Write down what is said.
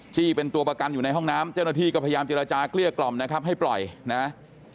ที่เป็นตัวประกันอยู่ในห้องน้ำเจ้าหน้าที่ก็พยายามเจรจาเกลี้ยกล่อมนะครับให้ปล่อยนะ